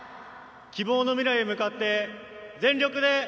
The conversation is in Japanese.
希望の未来へ向かって全力で。